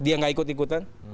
dia nggak ikut ikutan